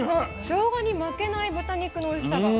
しょうがに負けない豚肉のおいしさが。